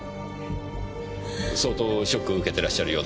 相当ショックを受けてらっしゃるようです。